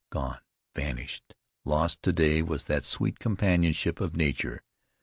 Gone, vanished, lost to day was that sweet companionship of nature.